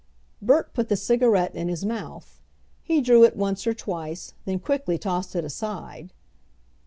Bert put the cigarette in his mouth. He drew it once or twice, then quickly tossed it aside.